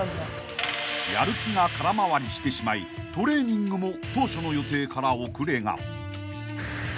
［やる気が空回りしてしまいトレーニングも当初の予定から遅れが］